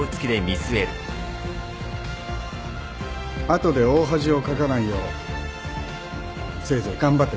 後で大恥をかかないようせいぜい頑張ってください